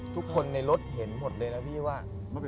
ทุกคนในรถเห็นหมดเลยนะพี่ว่า